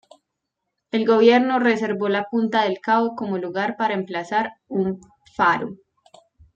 El gobierno reservó la punta del cabo como lugar para emplazar un faro.